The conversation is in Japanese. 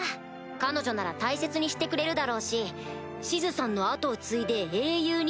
彼女なら大切にしてくれるだろうしシズさんの後を継いで英雄に。